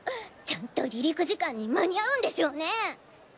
ちゃんと離陸時間に間に合うんでしょうね？